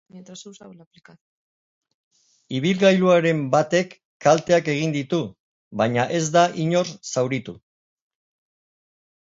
Ibilgailuren batek kalteak egin ditu, baina ez da inor zauritu.